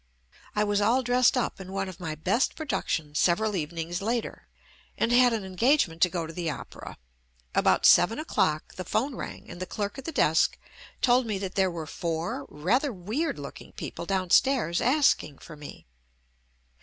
I was all dressed up in one of my best pro ductions several evenings later, and had an engagement to go to the opera. About seven o'clock the phone rang and the clerk at the* desk told me that there were four rather weird looking people downstairs asking for me.